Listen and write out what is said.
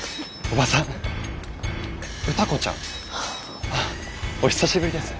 お久しぶりです。